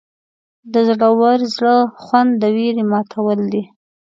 د زړور زړه خوند د ویرې ماتول دي.